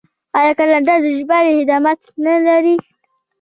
آیا کاناډا د ژباړې خدمات نلري؟